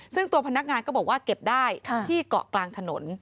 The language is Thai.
ซึ่งตัวพนักงานก็บอกว่าเก็บได้ที่เกาะกลางถนน